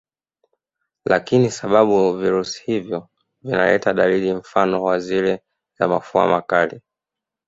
Lakini kwa sababu virusi hivyo vinaleta dalili mfano wa zile za mafua makali